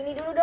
ini dulu dok